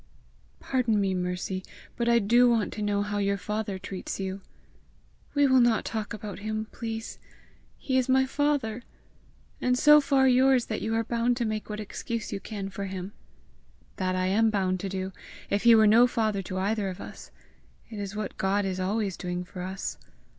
"Pardon me, Mercy, but I do want to know how your father treats you!" "We will not talk about him, please. He is my father! and so far yours that you are bound to make what excuse you can for him." "That I am bound to do, if he were no father to either of us. It is what God is always doing for us!